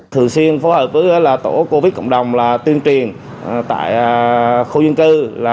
thường xuyên phối hợp với tổ covid một mươi chín cộng đồng là tuyên truyền tại khu dân cư